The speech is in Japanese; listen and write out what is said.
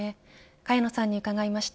萱野さんに伺いました。